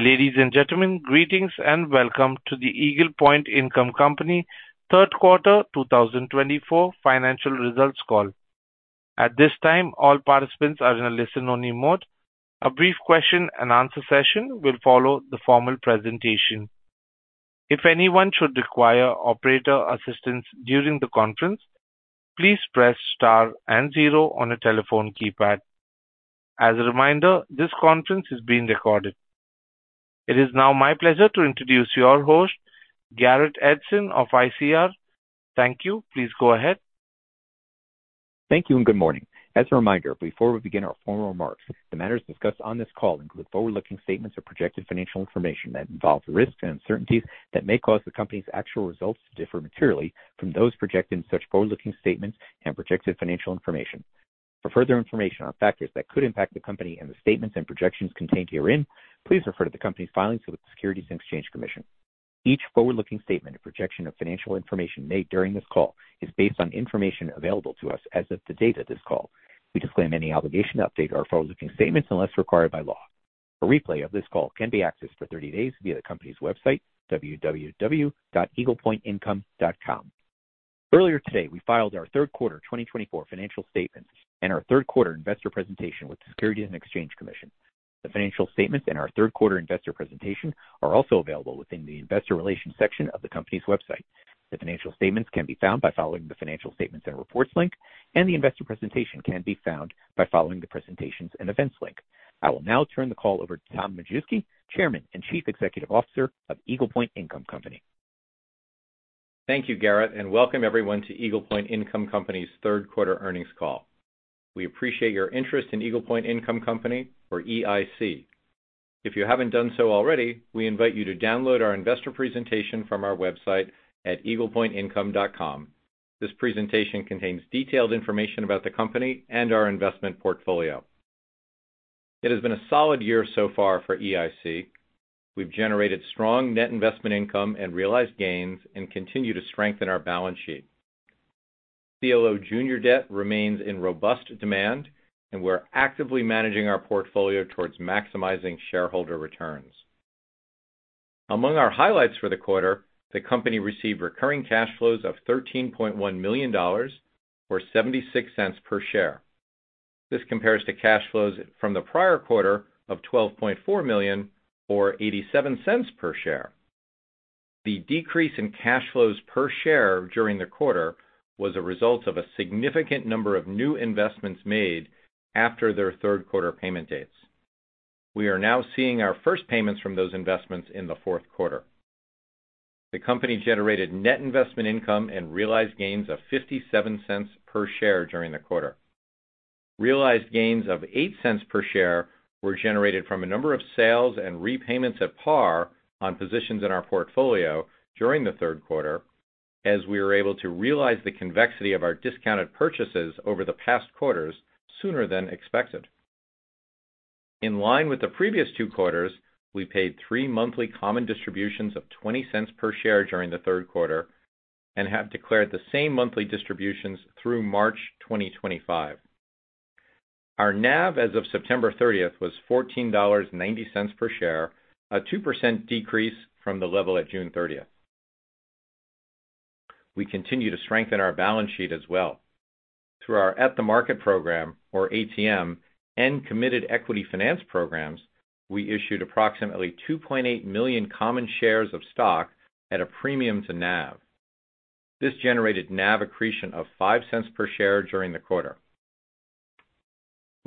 Ladies and gentlemen, greetings and welcome to the Eagle Point Income Company Q3 2024 financial results call. At this time, all participants are in a listen-only mode. A brief question-and-answer session will follow the formal presentation. If anyone should require operator assistance during the conference, please press star and zero on a telephone keypad. As a reminder, this conference is being recorded. It is now my pleasure to introduce your host, Garrett Edson of ICR. Thank you. Please go ahead. Thank you and good morning. As a reminder, before we begin our formal remarks, the matters discussed on this call include forward-looking statements or projected financial information that involves risks and uncertainties that may cause the company's actual results to differ materially from those projected in such forward-looking statements and projected financial information. For further information on factors that could impact the company and the statements and projections contained herein, please refer to the company's filings with the Securities and Exchange Commission. Each forward-looking statement and projection of financial information made during this call is based on information available to us as of the date of this call. We disclaim any obligation to update our forward-looking statements unless required by law. A replay of this call can be accessed for 30 days via the company's website, www.eaglepointincome.com. Earlier today, we filed our Q3 2024 financial statements and our Q3 investor presentation with the Securities and Exchange Commission. The financial statements and our Q3 investor presentation are also available within the investor relations section of the company's website. The financial statements can be found by following the financial statements and reports link, and the investor presentation can be found by following the presentations and events link. I will now turn the call over to Tom Majewski, Chairman and Chief Executive Officer of Eagle Point Income Company. Thank you, Garrett, and welcome everyone to Eagle Point Income Company's Q3 earnings call. We appreciate your interest in Eagle Point Income Company, or EIC. If you haven't done so already, we invite you to download our investor presentation from our website at eaglepointincome.com. This presentation contains detailed information about the company and our investment portfolio. It has been a solid year so far for EIC. We've generated strong net investment income and realized gains and continue to strengthen our balance sheet. CLO junior debt remains in robust demand, and we're actively managing our portfolio towards maximizing shareholder returns. Among our highlights for the quarter, the company received recurring cash flows of $13.1 million, or $0.76 per share. This compares to cash flows from the prior quarter of $12.4 million, or $0.87 per share. The decrease in cash flows per share during the quarter was a result of a significant number of new investments made after their Q3 payment dates. We are now seeing our first payments from those investments in the Q4. The company generated net investment income and realized gains of $0.57 per share during the quarter. Realized gains of $0.08 per share were generated from a number of sales and repayments at par on positions in our portfolio during the Q3, as we were able to realize the convexity of our discounted purchases over the past quarters sooner than expected. In line with the previous two quarters, we paid three monthly common distributions of $0.20 per share during the Q3 and have declared the same monthly distributions through March 2025. Our NAV as of September 30th was $14.90 per share, a 2% decrease from the level at June 30th. We continue to strengthen our balance sheet as well. Through our At-the-Market program, or ATM, and committed equity finance programs, we issued approximately 2.8 million common shares of stock at a premium to NAV. This generated NAV accretion of $0.05 per share during the quarter.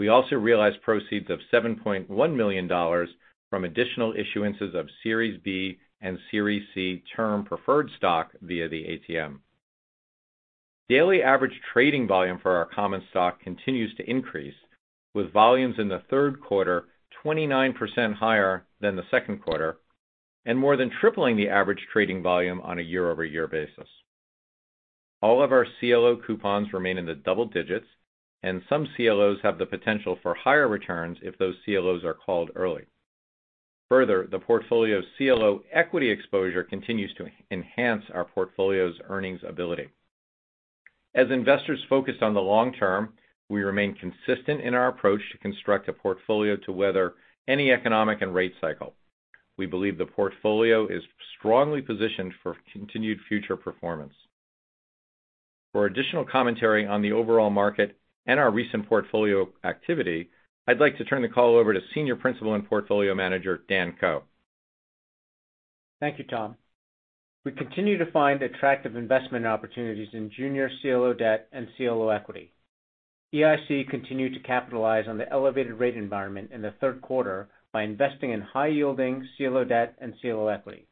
We also realized proceeds of $7.1 million from additional issuances of Series B and Series C Term Preferred Stock via the ATM. Daily average trading volume for our common stock continues to increase, with volumes in the Q3 29% higher than the Q2 and more than tripling the average trading volume on a year-over-year basis. All of our CLO coupons remain in the double digits, and some CLOs have the potential for higher returns if those CLOs are called early. Further, the portfolio CLO equity exposure continues to enhance our portfolio's earnings ability. As investors focus on the long term, we remain consistent in our approach to construct a portfolio to weather any economic and rate cycle. We believe the portfolio is strongly positioned for continued future performance. For additional commentary on the overall market and our recent portfolio activity, I'd like to turn the call over to Senior Principal and Portfolio Manager, Dan Ko. Thank you, Tom. We continue to find attractive investment opportunities in junior CLO debt and CLO equity. EIC continued to capitalize on the elevated rate environment in the Q3 by investing in high-yielding CLO debt and CLO equity.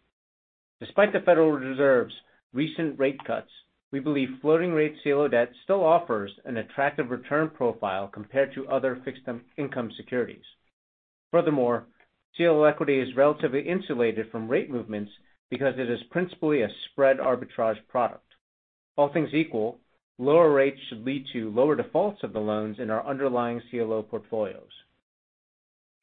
Despite the Federal Reserve's recent rate cuts, we believe floating-rate CLO debt still offers an attractive return profile compared to other fixed income securities. Furthermore, CLO equity is relatively insulated from rate movements because it is principally a spread arbitrage product. All things equal, lower rates should lead to lower defaults of the loans in our underlying CLO portfolios.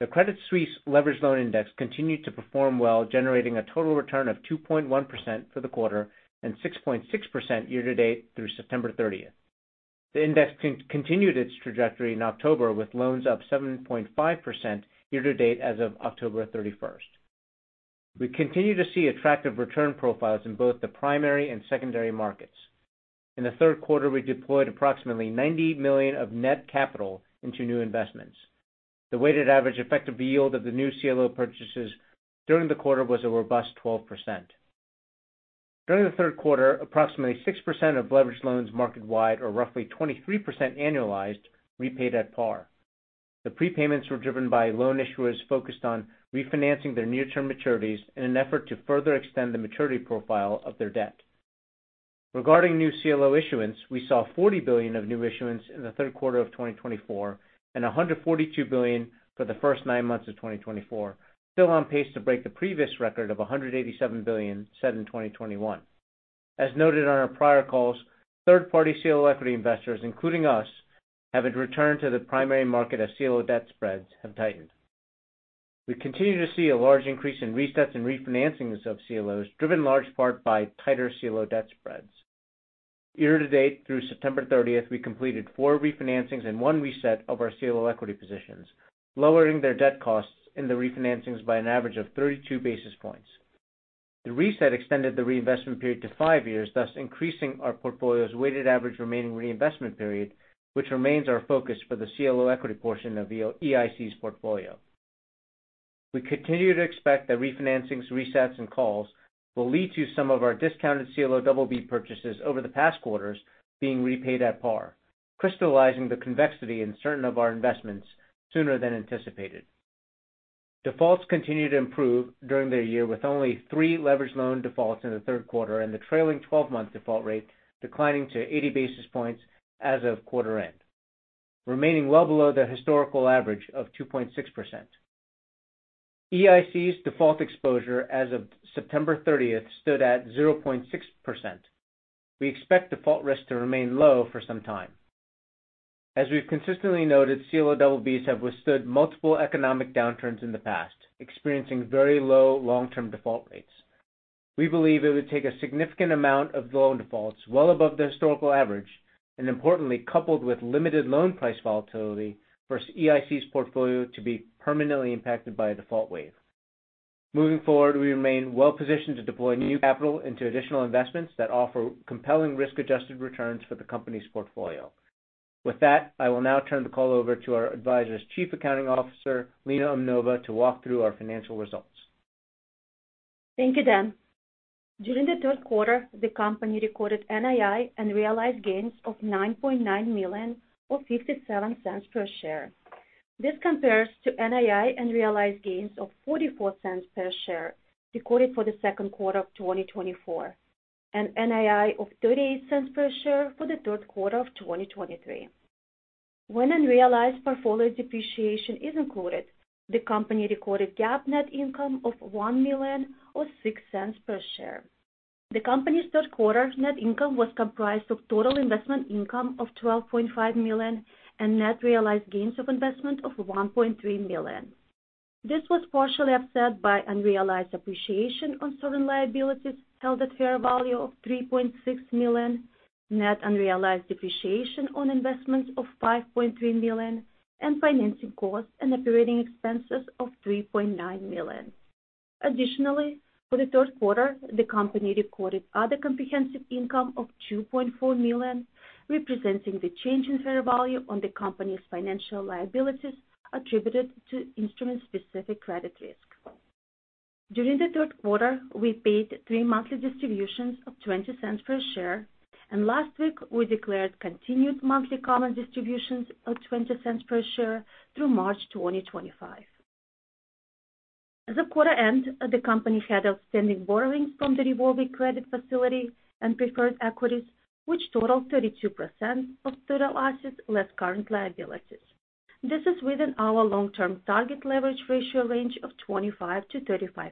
The Credit Suisse Leveraged Loan Index continued to perform well, generating a total return of 2.1% for the quarter and 6.6% year-to-date through September 30th. The index continued its trajectory in October, with loans up 7.5% year-to-date as of October 31st. We continue to see attractive return profiles in both the primary and secondary markets. In the Q3, we deployed approximately $90 million of net capital into new investments. The weighted average effective yield of the new CLO purchases during the quarter was a robust 12%. During the Q3, approximately 6% of leveraged loans market-wide, or roughly 23% annualized, repaid at par. The prepayments were driven by loan issuers focused on refinancing their near-term maturities in an effort to further extend the maturity profile of their debt. Regarding new CLO issuance, we saw $40 billion of new issuance in the Q3 of 2024 and $142 billion for the first nine months of 2024, still on pace to break the previous record of $187 billion set in 2021. As noted on our prior calls, third-party CLO equity investors, including us, having returned to the primary market as CLO debt spreads have tightened. We continue to see a large increase in resets and refinancings of CLOs, driven in large part by tighter CLO debt spreads. Year-to-date through September 30th, we completed four refinancings and one reset of our CLO equity positions, lowering their debt costs in the refinancings by an average of 32 basis points. The reset extended the reinvestment period to five years, thus increasing our portfolio's weighted average remaining reinvestment period, which remains our focus for the CLO equity portion of EIC's portfolio. We continue to expect that refinancings, resets, and calls will lead to some of our discounted CLO BB purchases over the past quarters being repaid at par, crystallizing the convexity in certain of our investments sooner than anticipated. Defaults continue to improve during the year, with only three leveraged loan defaults in the Q3 and the trailing 12-month default rate declining to 80 basis points as of quarter end, remaining well below the historical average of 2.6%. EIC's default exposure as of September 30th stood at 0.6%. We expect default risk to remain low for some time. As we've consistently noted, CLO BBs have withstood multiple economic downturns in the past, experiencing very low long-term default rates. We believe it would take a significant amount of loan defaults well above the historical average and, importantly, coupled with limited loan price volatility, for EIC's portfolio to be permanently impacted by a default wave. Moving forward, we remain well-positioned to deploy new capital into additional investments that offer compelling risk-adjusted returns for the company's portfolio. With that, I will now turn the call over to our advisor's Chief Accounting Officer, Lena Umnova, to walk through our financial results. Thank you, Dan. During the Q3, the company recorded NII and realized gains of $9.9 million, or $0.57 per share. This compares to NII and realized gains of $0.44 per share recorded for the Q2 of 2024 and NII of $0.38 per share for the Q3 of 2023. When unrealized portfolio depreciation is included, the company recorded GAAP net income of $1 million, or $0.06 per share. The company's Q3 net income was comprised of total investment income of $12.5 million and net realized gains of investment of $1.3 million. This was partially offset by unrealized appreciation on certain liabilities held at fair value of $3.6 million, net unrealized depreciation on investments of $5.3 million, and financing costs and operating expenses of $3.9 million. Additionally, for the Q3, the company recorded other comprehensive income of $2.4 million, representing the change in fair value on the company's financial liabilities attributed to instrument-specific credit risk. During the Q3, we paid three monthly distributions of $0.20 per share, and last week, we declared continued monthly common distributions of $0.20 per share through March 2025. As the quarter ended, the company had outstanding borrowings from the Revolving Credit Facility and preferred equities, which totaled 32% of total assets less current liabilities. This is within our long-term target leverage ratio range of 25%-35%,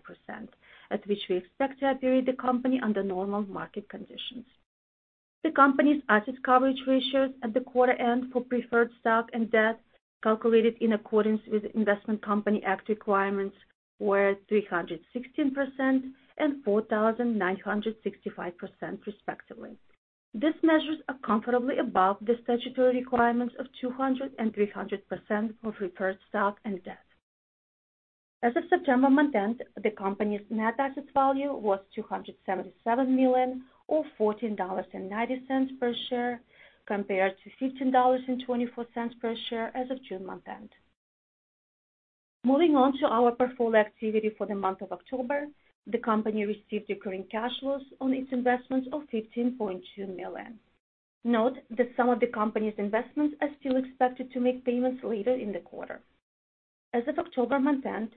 at which we expect to operate the company under normal market conditions. The company's asset coverage ratios at the quarter end for preferred stock and debt, calculated in accordance with the Investment Company Act requirements, were 316% and 4,965%, respectively. These measures are comfortably above the statutory requirements of 200% and 300% for preferred stock and debt. As of September month end, the company's net asset value was $277 million, or $14.90 per share, compared to $15.24 per share as of June month end. Moving on to our portfolio activity for the month of October, the company received recurring cash flows on its investments of $15.2 million. Note that some of the company's investments are still expected to make payments later in the quarter. As of October month end,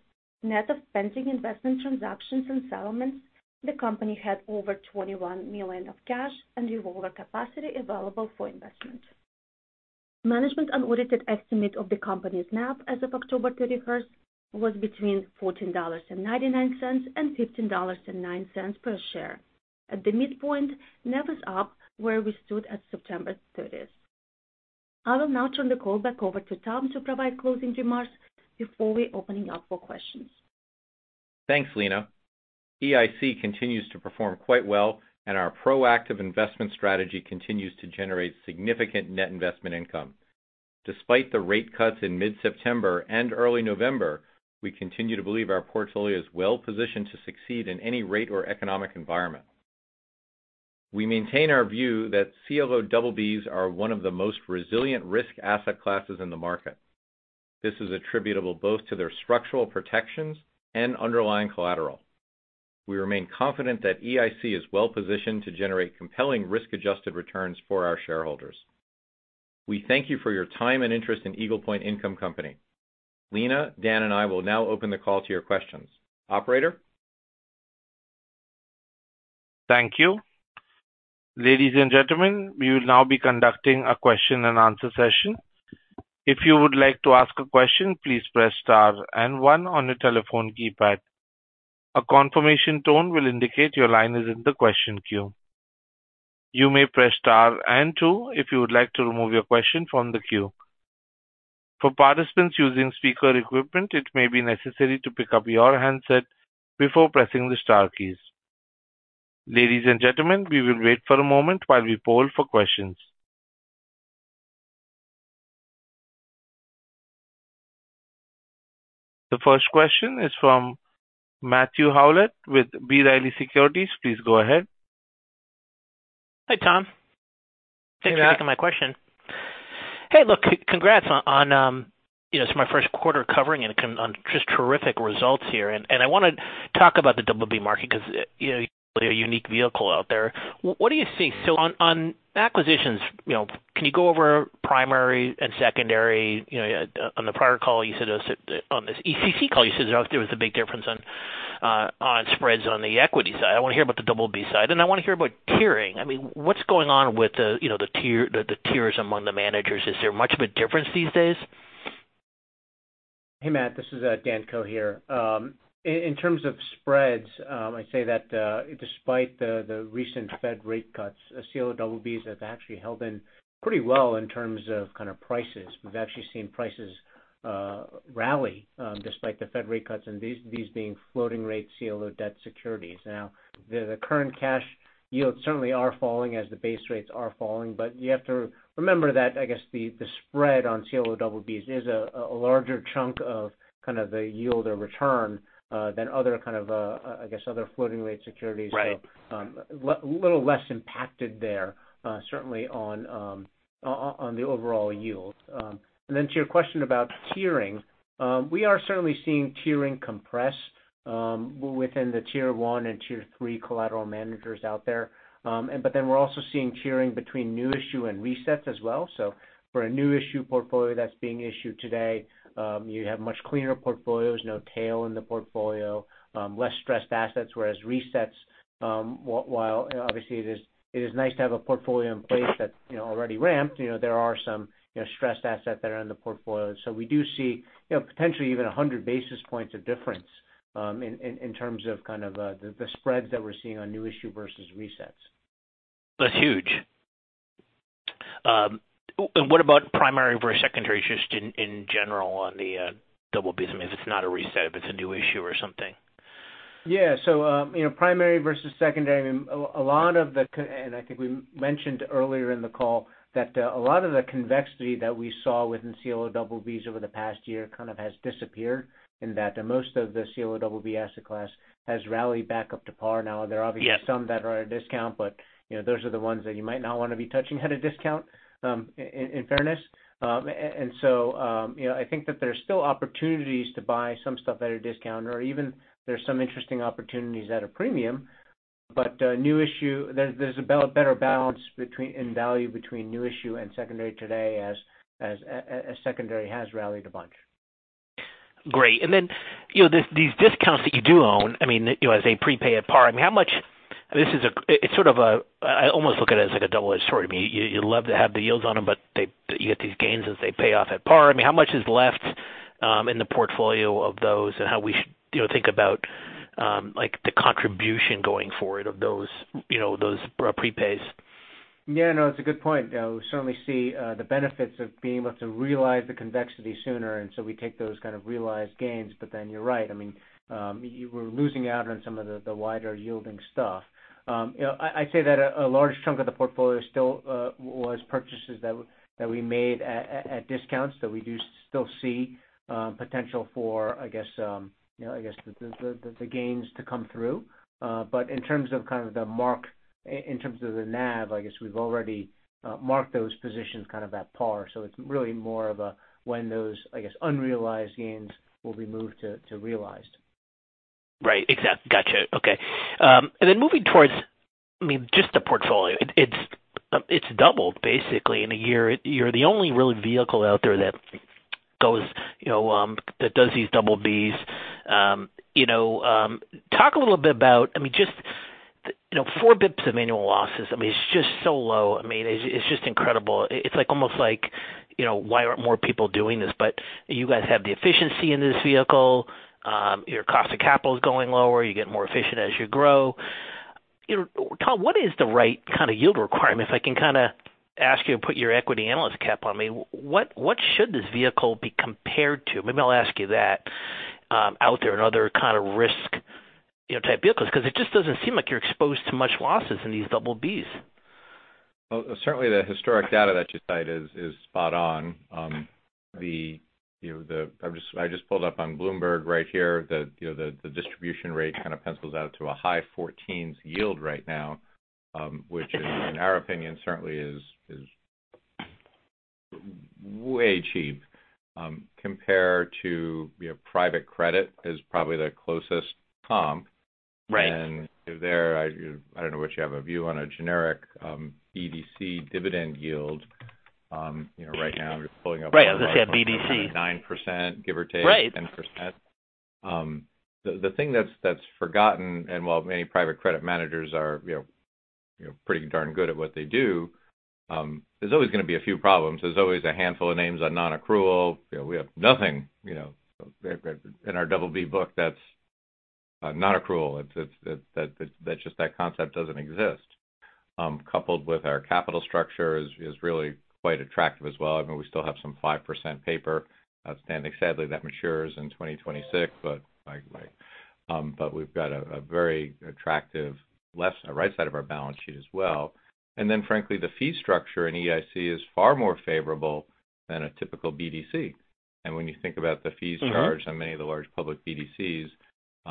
net of pending investment transactions and settlements, the company had over $21 million of cash and revolver capacity available for investment. Management's unaudited estimate of the company's NAV as of October 31st was between $14.99 and $15.09 per share. At the midpoint, NAV is up where we stood at September 30th. I will now turn the call back over to Tom to provide closing remarks before we open it up for questions. Thanks, Lena. EIC continues to perform quite well, and our proactive investment strategy continues to generate significant net investment income. Despite the rate cuts in mid-September and early November, we continue to believe our portfolio is well-positioned to succeed in any rate or economic environment. We maintain our view that CLO BBs are one of the most resilient risk asset classes in the market. This is attributable both to their structural protections and underlying collateral. We remain confident that EIC is well-positioned to generate compelling risk-adjusted returns for our shareholders. We thank you for your time and interest in Eagle Point Income Company. Lena, Dan, and I will now open the call to your questions. Operator? Thank you. Ladies and gentlemen, we will now be conducting a question-and-answer session. If you would like to ask a question, please press star and one on your telephone keypad. A confirmation tone will indicate your line is in the question queue. You may press star and two if you would like to remove your question from the queue. For participants using speaker equipment, it may be necessary to pick up your handset before pressing the star keys. Ladies and gentlemen, we will wait for a moment while we poll for questions. The first question is from Matthew Howlett with B. Riley Securities. Please go ahead. Hey, Tom. Thanks for taking my question. Hey, look, congrats on, you know, it's my Q1 covering it and just terrific results here, and I want to talk about the BB market because you're a unique vehicle out there. What do you see, so on acquisitions, you know, can you go over primary and secondary? You know, on the prior call, you said on this ECC call, you said there was a big difference on spreads on the equity side. I want to hear about the BB side, and I want to hear about tiering. I mean, what's going on with the tiers among the managers? Is there much of a difference these days? Hey, Matt. This is Dan Ko here. In terms of spreads, I'd say that despite the recent Fed rate cuts, CLO BBs have actually held in pretty well in terms of kind of prices. We've actually seen prices rally despite the Fed rate cuts and these being floating-rate CLO debt securities. Now, the current cash yields certainly are falling as the base rates are falling, but you have to remember that, I guess, the spread on CLO BBs is a larger chunk of kind of the yield or return than other kind of, I guess, other floating-rate securities, so a little less impacted there, certainly on the overall yield. And then to your question about tiering, we are certainly seeing tiering compress within the tier one and tier three collateral managers out there. But then we're also seeing tiering between new issue and resets as well. So, for a new issue portfolio that's being issued today, you have much cleaner portfolios, no tail in the portfolio, less stressed assets, whereas resets, while obviously it is nice to have a portfolio in place that's already ramped, you know, there are some stressed assets that are in the portfolio. So we do see potentially even 100 basis points of difference in terms of kind of the spreads that we're seeing on new issue versus resets. That's huge. What about primary versus secondary, just in general on the BBs, if it's not a reset, if it's a new issue or something? Yeah, so, you know, primary versus secondary, a lot of the, and I think we mentioned earlier in the call that a lot of the convexity that we saw within CLO BBs over the past year kind of has disappeared in that most of the CLO BB asset class has rallied back up to par. Now, there are obviously some that are at a discount, but those are the ones that you might not want to be touching at a discount, in fairness, and so, you know, I think that there's still opportunities to buy some stuff at a discount, or even there's some interesting opportunities at a premium, but new issue, there's a better balance in value between new issue and secondary today as secondary has rallied a bunch. Great. And then, you know, these discounts that you do own, I mean, as they prepay at par, I mean, how much, I mean, this is a, it's sort of a, I almost look at it as like a double-edged sword. I mean, you love to have the yields on them, but you get these gains as they pay off at par. I mean, how much is left in the portfolio of those and how we should think about, like, the contribution going forward of those prepays? Yeah, no, it's a good point. We certainly see the benefits of being able to realize the convexity sooner, and so we take those kind of realized gains. But then you're right, I mean, we're losing out on some of the wider yielding stuff. I'd say that a large chunk of the portfolio still was purchases that we made at discounts, so we do still see potential for, I guess, the gains to come through. But in terms of kind of the mark, in terms of the NAV, I guess we've already marked those positions kind of at par. So it's really more of a when those, I guess, unrealized gains will be moved to realized. Right. Exactly. Gotcha. Okay. And then moving towards, I mean, just the portfolio, it's doubled basically in a year. You're the only real vehicle out there that goes, you know, that does these BBs. You know, talk a little bit about, I mean, just, you know, four basis points of minimal losses. I mean, it's just so low. I mean, it's just incredible. It's like almost like, you know, why aren't more people doing this? But you guys have the efficiency in this vehicle. Your cost of capital is going lower. You get more efficient as you grow. You know, Tom, what is the right kind of yield requirement, if I can kind of ask you to put your equity analyst cap on me? What should this vehicle be compared to? Maybe I'll ask you that out there in other kind of risk-type vehicles, because it just doesn't seem like you're exposed to much losses in these BBs. Certainly the historic data that you cite is spot on. You know, I just pulled up on Bloomberg right here that, you know, the distribution rate kind of pencils out to a high 14s yield right now, which in our opinion certainly is way cheap compared to, you know, private credit is probably the closest, Tom. Right. I don't know what you have a view on a generic BDC dividend yield. You know, right now you're pulling up. Right. I was going to say a BDC. nine%, give or take 10%. Right. The thing that's forgotten, and while many private credit managers are, you know, pretty darn good at what they do, there's always going to be a few problems. There's always a handful of names on non-accrual. You know, we have nothing, you know, in our BB book that's not accrual. That just the concept doesn't exist. Coupled with our capital structure is really quite attractive as well. I mean, we still have some 5% paper outstanding, sadly, that matures in 2026, but we've got a very attractive left or right side of our balance sheet as well. And then, frankly, the fee structure in EIC is far more favorable than a typical BDC. And when you think about the fees charged on many of the large public BDCs,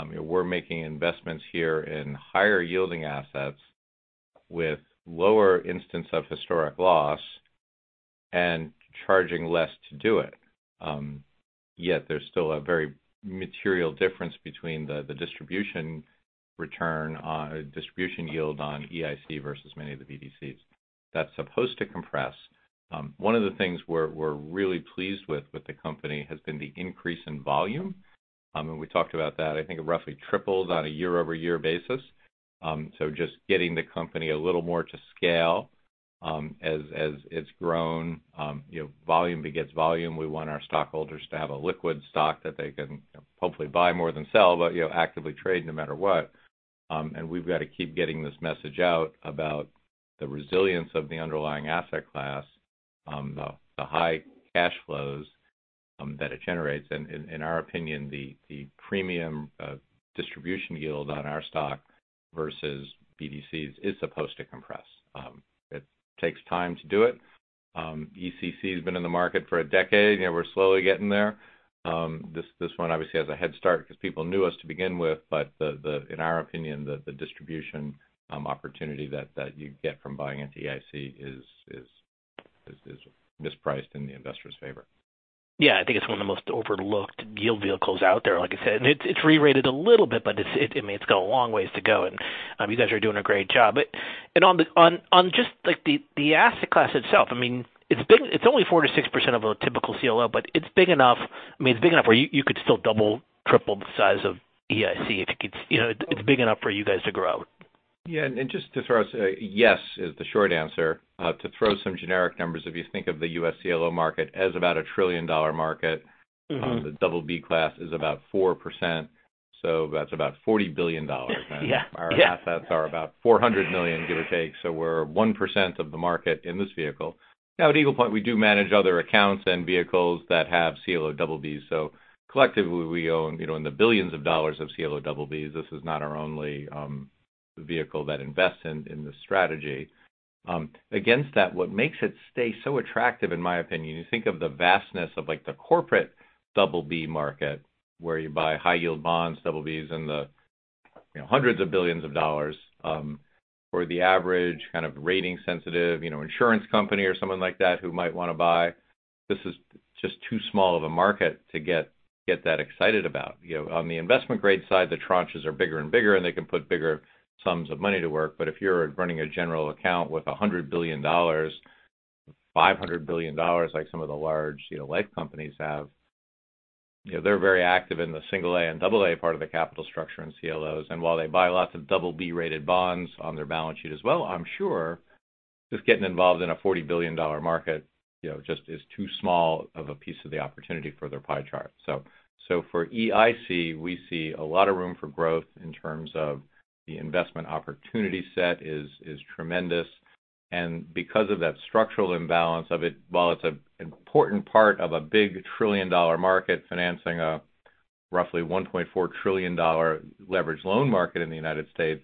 you know, we're making investments here in higher yielding assets with lower instance of historic loss and charging less to do it. Yet there's still a very material difference between the distribution return, distribution yield on EIC versus many of the BDCs that's supposed to compress. One of the things we're really pleased with the company has been the increase in volume. And we talked about that. I think it roughly tripled on a year-over-year basis. So just getting the company a little more to scale as it's grown, you know, volume begets volume. We want our stockholders to have a liquid stock that they can hopefully buy more than sell, but, you know, actively trade no matter what. And we've got to keep getting this message out about the resilience of the underlying asset class, the high cash flows that it generates. And in our opinion, the premium distribution yield on our stock versus BDCs is supposed to compress. It takes time to do it. ECC has been in the market for a decade. You know, we're slowly getting there. This one obviously has a head start because people knew us to begin with, but in our opinion, the distribution opportunity that you get from buying into EIC is mispriced in the investor's favor. Yeah. I think it's one of the most overlooked yield vehicles out there, like I said. And it's re-rated a little bit, but I mean, it's got a long ways to go. And you guys are doing a great job. And on just like the asset class itself, I mean, it's only 4%-6% of a typical CLO, but it's big enough, I mean, it's big enough where you could still double, triple the size of EIC if you could, you know, it's big enough for you guys to grow. Yeah. And just to throw us a yes is the short answer. To throw some generic numbers, if you think of the U.S. CLO market as about a $1 trillion market, the BB class is about 4%. So that's about $40 billion. Yeah. Our assets are about $400 million, give or take. So we're 1% of the market in this vehicle. Now, at Eagle Point, we do manage other accounts and vehicles that have CLO BBs. So collectively, we own, you know, in the billions of dollars of CLO BBs. This is not our only vehicle that invests in the strategy. Against that, what makes it stay so attractive, in my opinion, you think of the vastness of like the corporate BB market, where you buy high-yield bonds, BBs, and the hundreds of billions of dollars for the average kind of rating-sensitive, you know, insurance company or something like that who might want to buy. This is just too small of a market to get that excited about. You know, on the investment-grade side, the tranches are bigger and bigger, and they can put bigger sums of money to work. But if you're running a general account with $100 billion, $500 billion, like some of the large, you know, life companies have, you know, they're very active in the single-A and double-A part of the capital structure in CLOs. And while they buy lots of BB-rated bonds on their balance sheet as well, I'm sure just getting involved in a $40 billion market, you know, just is too small of a piece of the opportunity for their pie chart. So for EIC, we see a lot of room for growth in terms of the investment opportunity set is tremendous. And because of that structural imbalance of it, while it's an important part of a big trillion-dollar market financing a roughly $1.4 trillion leveraged loan market in the United States,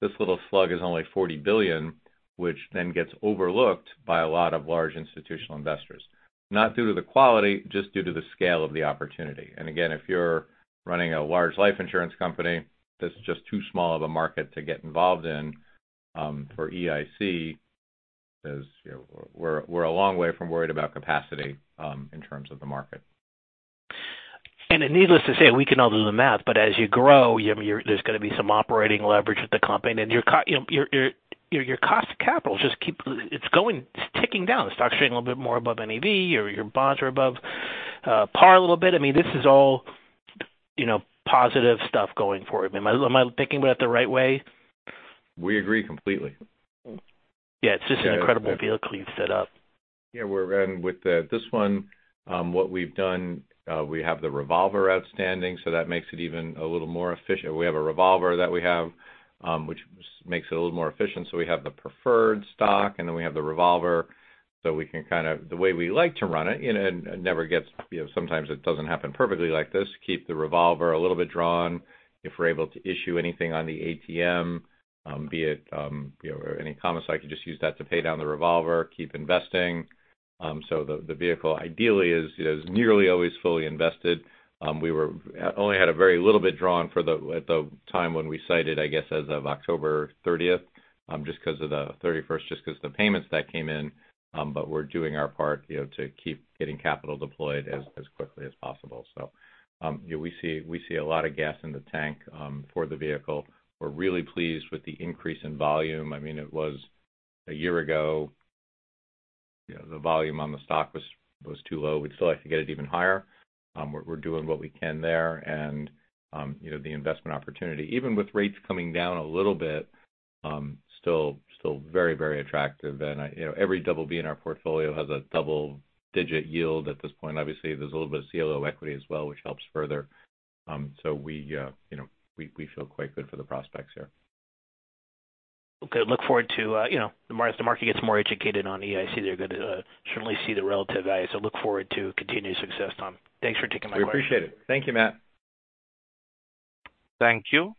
this little slug is only $40 billion, which then gets overlooked by a lot of large institutional investors. Not due to the quality, just due to the scale of the opportunity, and again, if you're running a large life insurance company, that's just too small of a market to get involved in. For EIC, we're a long way from worried about capacity in terms of the market. Needless to say, we can all do the math, but as you grow, there's going to be some operating leverage at the company. Your cost of capital just keeps, it's going, it's ticking down. The stock's trading a little bit more above NAV. Your bonds are above par a little bit. I mean, this is all, you know, positive stuff going forward. Am I thinking about it the right way? We agree completely. Yeah. It's just an incredible vehicle you've set up. Yeah. And with this one, what we've done, we have the revolver outstanding, so that makes it even a little more efficient. We have a revolver that we have, which makes it a little more efficient. So we have the preferred stock, and then we have the revolver. So we can kind of, the way we like to run it, you know, it never gets, you know, sometimes it doesn't happen perfectly like this. Keep the revolver a little bit drawn if we're able to issue anything on the ATM, be it, you know, any common share. You can just use that to pay down the revolver, keep investing. So the vehicle ideally is nearly always fully invested. We only had a very little bit drawn for the time, as cited, I guess, as of October 30th, just because of the 31st, just because of the payments that came in. But we're doing our part, you know, to keep getting capital deployed as quickly as possible. So, you know, we see a lot of gas in the tank for the vehicle. We're really pleased with the increase in volume. I mean, it was a year ago, you know, the volume on the stock was too low. We'd still like to get it even higher. We're doing what we can there. And, you know, the investment opportunity, even with rates coming down a little bit, still very, very attractive. And, you know, every BB in our portfolio has a double-digit yield at this point. Obviously, there's a little bit of CLO equity as well, which helps further. So we, you know, we feel quite good for the prospects here. Okay. Look forward to, you know, as the market gets more educated on EIC, they're going to certainly see the relative value. So look forward to continued success, Tom. Thanks for taking my question. We appreciate it. Thank you, Matt. Thank you.